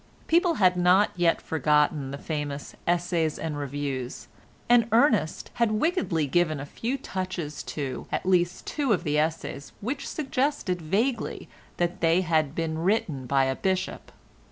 People had not yet forgotten the famous "Essays and Reviews," and Ernest had wickedly given a few touches to at least two of the essays which suggested vaguely that they had been written by a bishop.